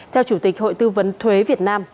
theo chủ tịch hội tư vấn thuế việt nam